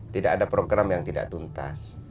tidak ada program yang tidak tuntas